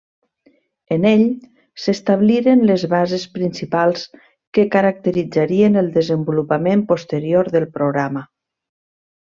En ell s'establirien les bases principals que caracteritzarien el desenvolupament posterior del programa.